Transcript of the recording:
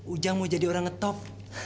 ujang mau jadi orang ngetok